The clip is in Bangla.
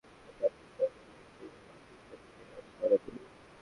তবে তিনি কখনো মানুষের সঙ্গে, জাতির সঙ্গে, দেশের মাটির সঙ্গে বেইমানি করেননি।